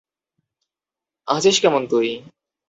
আছিস কেমন তুই?